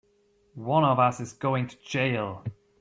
One of us is going to jail!